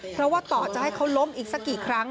เพราะว่าต่อจะให้เขาล้มอีกสักกี่ครั้ง